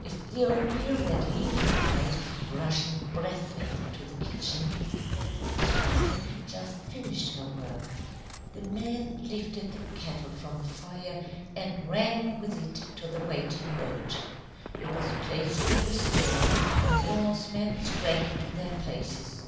"'Is the oatmeal ready?' he cried, rushing breathless into the kitchen. "His wife had just finished her work. The men lifted the kettle from the fire and ran with it to the waiting boat. It was placed in the stern and the oarsmen sprang to their places.